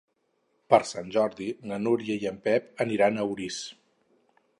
Per Sant Jordi na Núria i en Pep aniran a Orís.